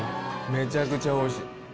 めちゃくちゃおいしい。